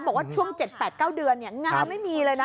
บอกว่าช่วง๗๘๙เดือนงานไม่มีเลยนะ